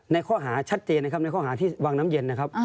ในข้อหาวางน้ำเย็นแน่ครับ